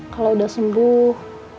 kalau udah sembuh